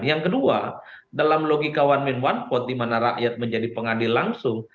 yang kedua dalam logika one man one vote di mana rakyat menjadi pengadil langsung